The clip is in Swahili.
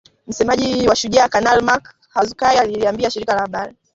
Msemaji wa Shujaa Kanali Mak Hazukay aliliambia shirika la habari